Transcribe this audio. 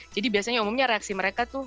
jadi biasanya umumnya reaksi mereka tuh